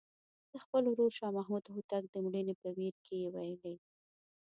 د خپل ورور شاه محمود هوتک د مړینې په ویر کې یې ویلي.